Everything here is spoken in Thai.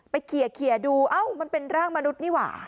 เคลียร์ดูเอ้ามันเป็นร่างมนุษย์นี่หว่า